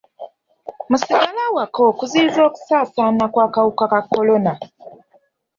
Musigale awaka okuziyiza okusaasaana kw'akawuka ka kolona.